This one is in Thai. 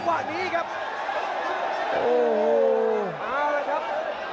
ส่วนหน้านั้นอยู่ที่เลด้านะครับ